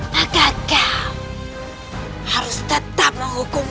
maka kau harus tetap menghukum